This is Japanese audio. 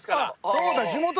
そうだ地元だ。